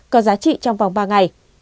có giá trị trong vòng ba ngày